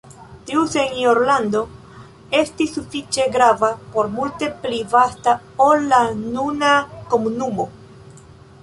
Tiu senjorlando estis sufiĉe grava kaj multe pli vasta ol la nuna komunumo.